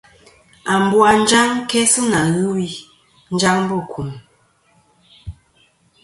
Ambu a njaŋ kæ sɨ nà ghɨ wi njaŋ bu kùm.